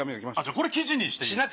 これ記事にしていいですか？